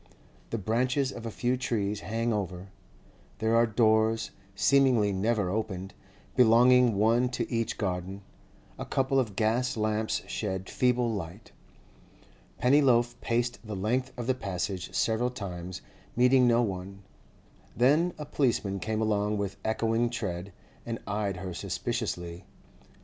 The branches of a few trees hang over; there are doors, seemingly never opened, belonging one to each garden; a couple of gas lamps shed feeble light. Pennyloaf paced the length of the Passage several times, meeting no one. Then a policeman came along with echoing tread, and eyed her suspiciously.